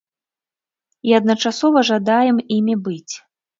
І адначасова жадаем імі быць.